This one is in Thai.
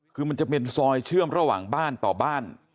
คือมันจะเป็นซอยเชื่อมระหว่างบ้านต่อบ้าน